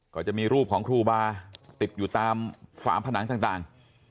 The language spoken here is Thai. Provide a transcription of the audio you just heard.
ก็จะมีรูปของครูบาติดอยู่ตามฝาผนังต่าง